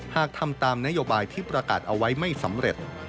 หากทำตามนโยบายที่ประกาศเอาไว้ไม่สำเร็จ